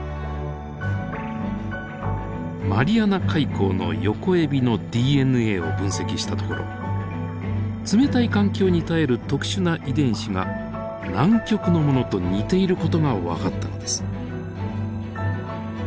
マリアナ海溝のヨコエビのＤＮＡを分析したところ冷たい環境に耐える特殊な遺伝子が南極のものと似ている事が分かったのです。